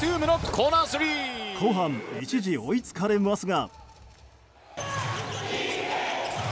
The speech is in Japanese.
後半、一時追いつかれますが。